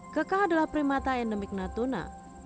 keka adalah primata endemik natuna